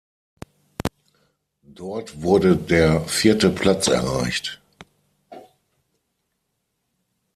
Dort wurde der vierte Platz erreicht.